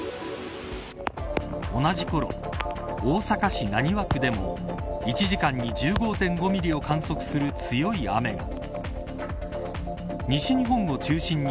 同じころ、大阪市浪速区でも１時間に１５．５ミリを観測する強い雨が。